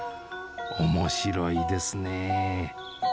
面白いですね。